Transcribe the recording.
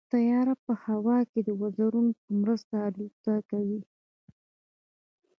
طیاره په هوا کې د وزرونو په مرسته الوت کوي.